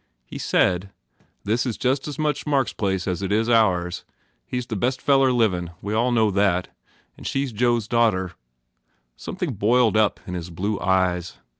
He said, "This is just as much Mark s place as it is ours. He s the best feller livin . We all know that. And she s Joe s daughter." Something boiled up in his blue eyes.